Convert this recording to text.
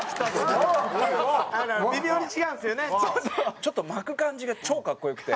ちょっと巻く感じが超かっこ良くて。